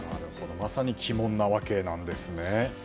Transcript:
まさに鬼門なわけなんですね。